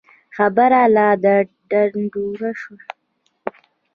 خبره لاړه ډنډوره شوه.